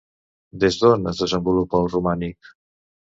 Des d'on es desenvolupa el romànic?